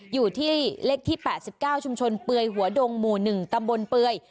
อยู่ที่เลขที่๘๙ชุมชนเปื่อยหัวดงหมู่๑ตำบลเปื่อย